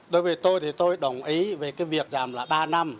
đối với tôi thì tôi đồng ý về cái việc giảm là ba năm